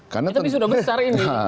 tapi sudah besar ini